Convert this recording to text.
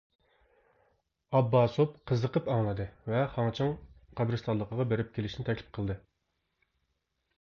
ئابباسوف قىزىقىپ ئاڭلىدى ۋە خاڭچىڭ قەبرىستانلىقىغا بېرىپ كېلىشنى تەكلىپ قىلدى.